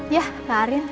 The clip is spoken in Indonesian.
yah kak arin